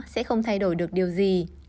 sẽ không thay đổi được điều gì